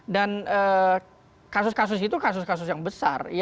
dan kasus kasus itu kasus kasus yang besar